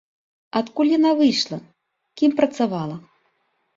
Адкуль яна выйшла, кім працавала?